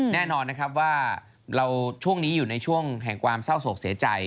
แน่นอนนะครับว่าเราช่วงนี้อยู่ในช่วงแห่งความเศร้าโศกเสียใจ